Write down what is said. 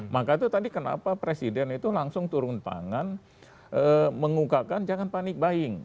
maka itu tadi kenapa presiden itu langsung turun tangan mengukakan jangan panik buying